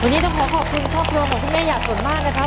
วันนี้ต้องขอขอบคุณครอบครัวของคุณแม่อยากสนมากนะครับ